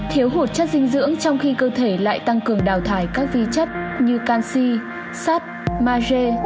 thiếu hụt chất dinh dưỡng trong khi cơ thể lại tăng cường đào thải các vi chất như canxi sắt marge